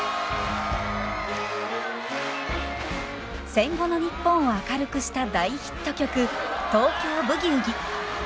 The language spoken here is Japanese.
戦後の日本を明るくした大ヒット曲「東京ブギウギ」。